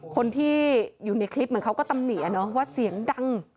คนที่อยู่ในคลิปเหมือนเขาก็ตำหนีว่าเสียงดัง